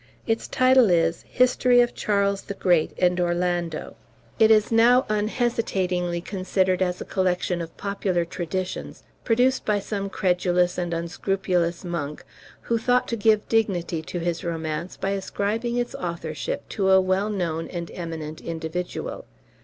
Its title is "History of Charles the Great and Orlando." It is now unhesitatingly considered as a collection of popular traditions, produced by some credulous and unscrupulous monk, who thought to give dignity to his romance by ascribing its authorship to a well known and eminent individual.